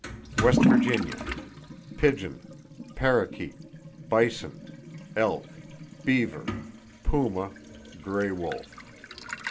West Virginia: Pigeon, parrakeet; bison, elk, beaver, puma, gray wolf.